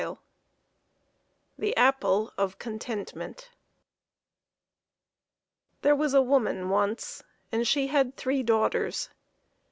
V : 1 he Apple> f Contentment : T kHERE was a woman once, and she had three daughters.